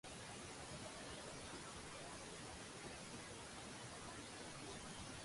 薑越老越辣